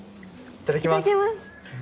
いただきます。